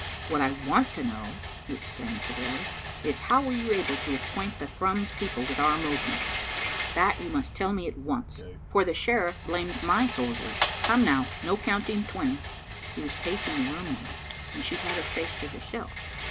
"What I want to know," he explained severely, "is how you were able to acquaint the Thrums people with our movements? That you must tell me at once, for the sheriff blames my soldiers. Come now, no count ing twenty!" He was pacing the room now, and she had her face to herself.